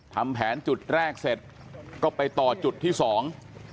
ทำแผนจุดแรกเสร็จก็ไปต่อจุดที่สอง